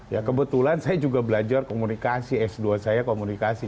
ya kebetulan saya juga belajar komunikasi s dua saya komunikasi